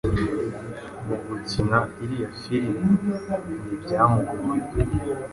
Mugukina iriya filimi ntibyamugoye